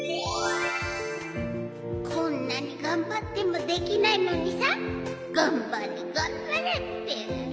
こんなにがんばってもできないのにさがんばれがんばれって。